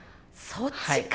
そっちか。